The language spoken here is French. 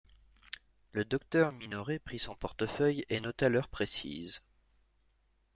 Le docteur Minoret prit son portefeuille et nota l’heure précise.